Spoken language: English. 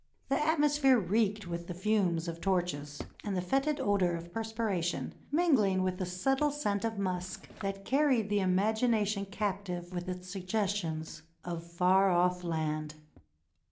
The atmosphere reeked with the fumes of torches and the fetid odor of perspiration, mingling with the subtle scent of musk that carried the imagination captive with its suggestions of far ofif land.